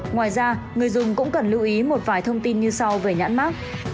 ngoài ra người dùng cũng cần lưu ý một vài thông tin như sau về nhãn mát